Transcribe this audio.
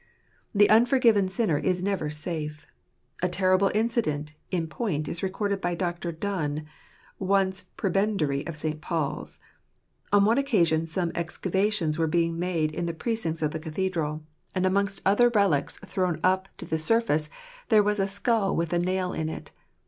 The unforgiven sinner is never safe. A terrible incident in point is recorded by Dr. Donne, once Prebendary of St. Paul's. On one occasion some excavations were being made in the precincts of the cathedral, and amongst Wqz ottliT fUfttg t. I0 9 other relics thrown up to the surface, there was a skull with a nail in it.